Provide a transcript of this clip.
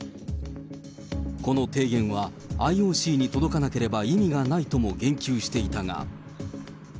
この提言はＩＯＣに届かなければ意味がないとも言及していたが。